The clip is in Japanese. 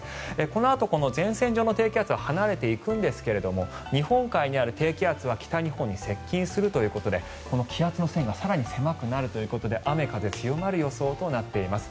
このあと前線上の低気圧は離れていくんですが日本海にある低気圧は北日本に接近するということでこの気圧の線が更に狭くなるということで雨、風強まる予想となっています。